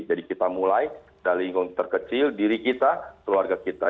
jadi kita mulai dari lingkungan terkecil diri kita keluarga kita